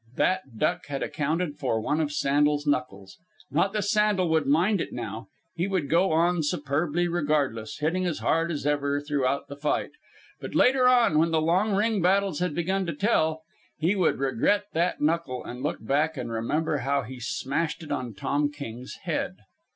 That duck had accounted for one of Sandel's knuckles. Not that Sandel would mind it now. He would go on, superbly regardless, hitting as hard as ever throughout the fight. But later on, when the long ring battles had begun to tell, he would regret that knuckle and look back and remember how he smashed it on Tom King's head.